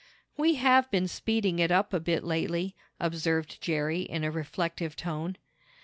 "We have been speeding it up a bit lately," observed Jerry in a reflective tone.